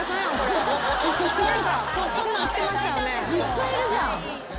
いっぱいいるじゃん。